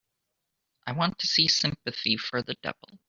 I want to see Sympathy for the Devil